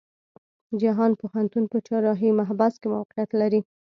جهان پوهنتون په چهارراهی محبس کې موقيعت لري.